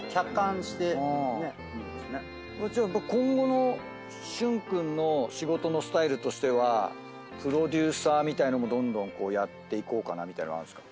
じゃあ今後の旬君の仕事のスタイルとしてはプロデューサーみたいなのもどんどんやっていこうかなみたいなのあるんですか？